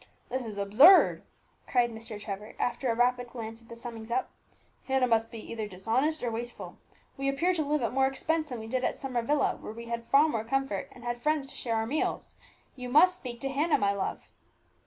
"This is absurd!" cried Mr. Trevor, after a rapid glance at the summings up; "Hannah must either be dishonest or wasteful. We appear to live at more expense than we did at Summer Villa, where we had far more comfort, and had friends to share our meals. You must speak to Hannah, my love."